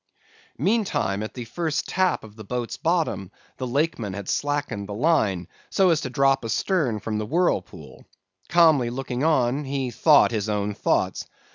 "Meantime, at the first tap of the boat's bottom, the Lakeman had slackened the line, so as to drop astern from the whirlpool; calmly looking on, he thought his own thoughts.